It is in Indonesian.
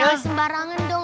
jangan sembarangan dong